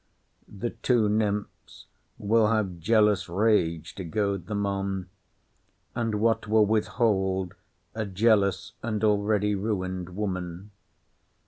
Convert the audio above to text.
The two nymphs will have jealous rage to goad them on. And what will withhold a jealous and already ruined woman?